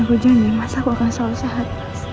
aku janji masa aku akan selalu sehat